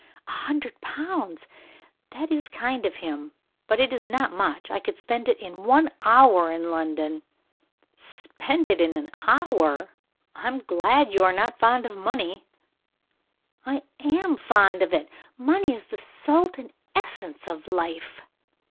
"A hundred pounds! That is kind of him; but it is not much. I could spend it in one hour in London." "Spend it in an hour. I'm glad you are not fond of money." "I am fond of it. Money is the salt and essence of life."